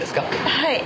はい。